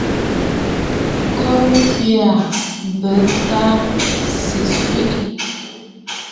Korə ŋkwee jya, mbèʼe tâ sɨ̀ kwɛɛ.